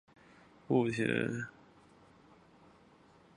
目前未有任何亚种。